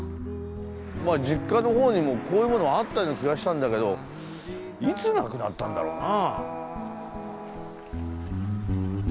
まあ実家の方にもこういうものあったような気がしたんだけどいつなくなったんだろうな。